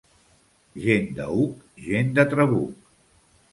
Gent d'aüc, gent de trabuc.